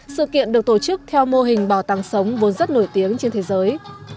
sự kiện được tổ chức theo mô hình bảo tàng sống vốn rất nổi tiếng trên thế giới